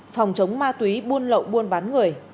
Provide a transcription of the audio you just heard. phòng chống ma túy buôn lộn buôn bán người